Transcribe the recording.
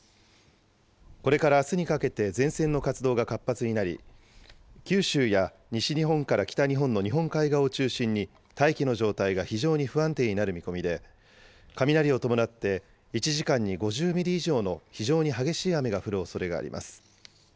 これからあすにかけて前線の活動が活発になり、九州や西日本から北日本の日本海側を中心に大気の状態が非常に不安定になる見込みで、雷を伴って１時間に５０ミリ以上の非常に激しい雨が降るおそれがあります。